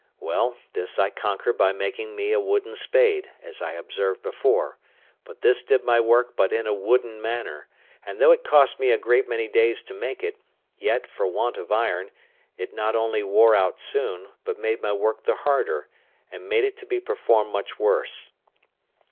Well, this I conquered by making me a wooden spade, as I observed before; but this did my work but in a wooden manner; and though it cost me a great many days to make it, yet, for want of iron, it not only wore out soon, but made my work the harder, and made it be performed much worse.